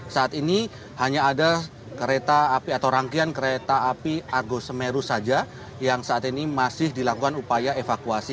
saat ini hanya ada kereta api atau rangkaian kereta api argo semeru saja yang saat ini masih dilakukan upaya evakuasi